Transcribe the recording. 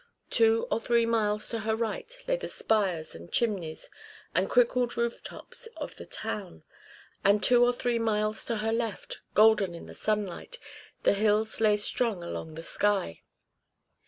Two or three miles to her right lay the spires and chimneys and crinkled roof tops of the town, and two or three miles to her left, golden in the sunlight, the hills lay strung along the sky.